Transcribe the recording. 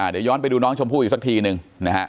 เดี๋ยวย้อนไปดูน้องชมพู่อีกสักทีหนึ่งนะฮะ